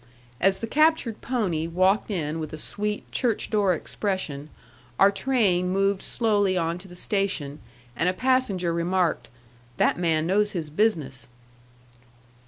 As the captured pony walked in with a sweet, church door expression, our train moved slowly on to the station, and a passenger remarked, "That man knows his business."